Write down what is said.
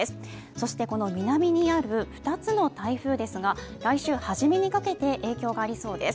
そしてこの南にある２つの台風ですが来週初めにかけて影響がありそうです。